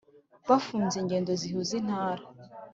bafunze ingendo zihuza intara